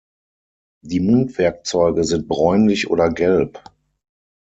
Die Mundwerkzeuge sind bräunlich oder gelb.